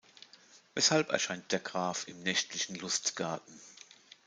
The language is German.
Weshalb erscheint der Graf im nächtlichen Lustgarten?